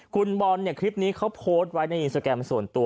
คุณบอลคลิปนี้เขาโพสต์ไว้ในอินสเกรมส่วนตัว